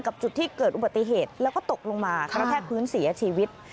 จุดที่เกิดอุบัติเหตุแล้วก็ตกลงมากระแทกพื้นเสียชีวิต